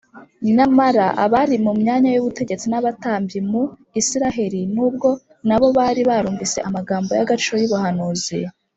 . Nyamara abari mu myanya y’ubutegetsi n’abatambyi mu Isiraheli, nubwo na bo bari barumvise amagambo y’agaciro y’ubuhanuzi